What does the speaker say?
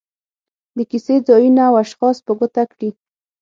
د کیسې ځایونه او اشخاص په ګوته کړي.